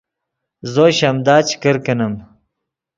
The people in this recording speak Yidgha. زو شیمدا چے کرکینیم